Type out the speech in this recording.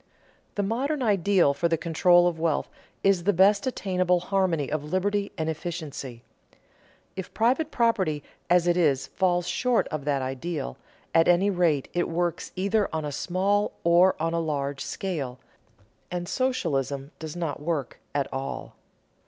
The modern ideal for the control of wealth is the best attainable harmony of liberty and efficiency. If private property as it is, falls short of that ideal, at any rate it works either on a small or on a large scale, and socialism does not work at all.